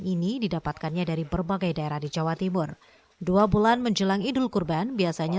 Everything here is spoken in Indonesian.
ini didapatkannya dari berbagai daerah di jawa timur dua bulan menjelang idul kurban biasanya